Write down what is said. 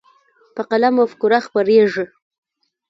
په قلم مفکوره خپرېږي.